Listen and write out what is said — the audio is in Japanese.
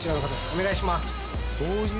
お願いします